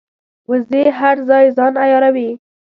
وزې هر ځای ځان عیاروي